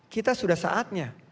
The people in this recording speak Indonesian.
kita sudah saatnya